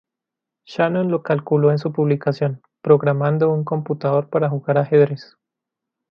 Shannon lo calculó en su publicación "Programando un computador para jugar ajedrez".